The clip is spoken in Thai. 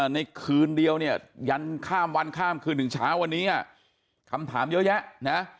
ในคืนเดียวเนี่ยยันข้ามวันข้ามคืนถึงเช้าวันนี้คำถามเยอะแยะนะ